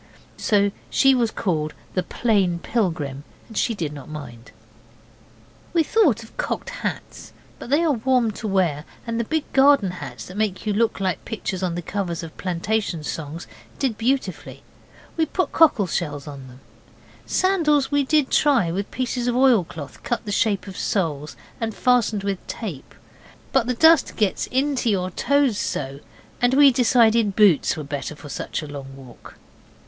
So she was called the Plain Pilgrim, and she did not mind. We thought of cocked hats, but they are warm to wear, and the big garden hats that make you look like pictures on the covers of plantation songs did beautifully. We put cockle shells on them. Sandals we did try, with pieces of oil cloth cut the shape of soles and fastened with tape, but the dust gets into your toes so, and we decided boots were better for such a long walk.